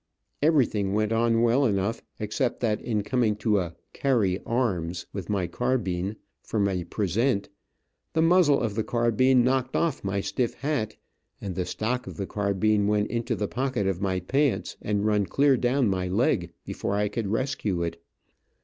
Everything went on well enough, except that in coming to a "carry arms," with my carbine, from a present, the muzzle of the carbine knocked off my stiff hat, and the stock of the carbine went into the pocket of my pants and run clear down my leg, before I could rescue it.